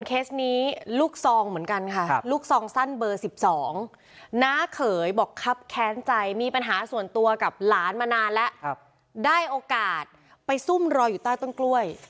เคสนี้ลูกซองเหมือนกันค่ะลูกซองสั้นเบอร์๑๒น้าเขยบอกครับแค้นใจมีปัญหาส่วนตัวกับหลานมานานแล้วได้โอกาสไปซุ่มรออยู่ใต้ต้นกล้วย